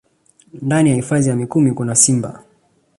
Ndani ya hifadhi ya Mikumi kuna simba